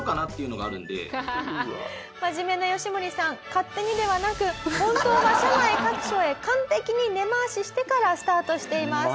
勝手にではなく本当は社内各所へ完璧に根回ししてからスタートしています」